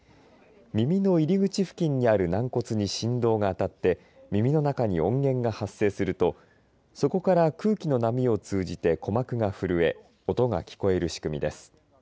耳の入り口付近にある軟骨に振動が当たって耳の中に音源が発生するとそこから空気の波を通じて鼓膜が震え音が聞こえる仕組みです。